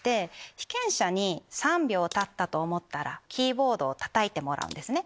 被験者に３秒たったと思ったらキーボードをたたいてもらう。